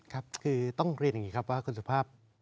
ครับคือต้องเรียนอย่างนี้ครับว่าคุณสุภาพ